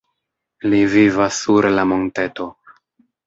Li vivas sur la monteto.